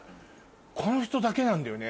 この人だけなんだよね。